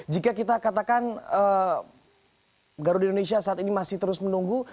jika kita katakan garuda indonesia saat ini masih terus menunggu